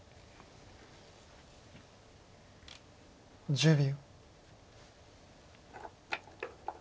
１０秒。